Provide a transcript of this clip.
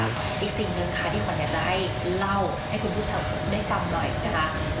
ให้คุณผู้ชายได้ฟังหน่อยนะคะ